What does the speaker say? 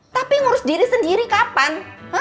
tapi ngurus diri sendiri kapan